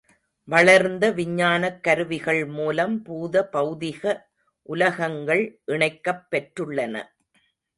வளர்ந்த விஞ்ஞானக் கருவிகள் மூலம் பூத பெளதிக உலகங்கள் இணைக்கப் பெற்றுள்ளன.